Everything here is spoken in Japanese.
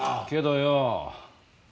けどよ